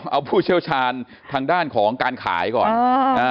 เอาผู้เชี่ยวชาญทางด้านของการขายก่อน